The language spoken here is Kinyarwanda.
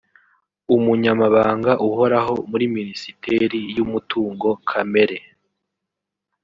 Umunyamabanga uhoraho muri Minisiteri y’umutungo kamere